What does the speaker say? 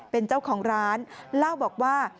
เป็นเจ้าของร้านเล่าบอกว่า